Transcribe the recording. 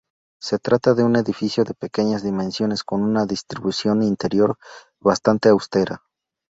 Se trata de un edificio de pequeñas dimensiones, con una distribución interior bastante austera.